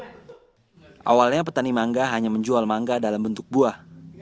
awalnya petani mangga hanya menjual mangga dalam bentuk buah